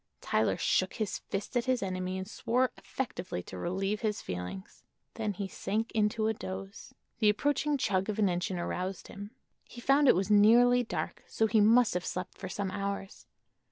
Tyler shook his fist at his enemy and swore effectively to relieve his feelings. Then he sank into a doze. The approaching chug of an engine aroused him. He found it was nearly dark, so he must have slept for some hours.